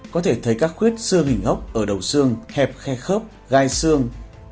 các khuyết xương hình hốc ở đầu xương hẹp khe khớp gai xương